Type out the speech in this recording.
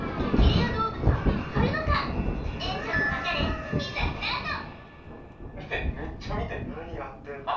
レア動物は見つかるのか園長と別れいざスタート